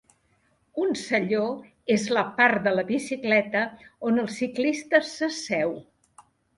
Un selló és la part de la bicicleta on el ciclista s'asseu.